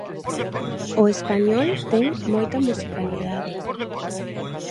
O español ten moita musicalidade.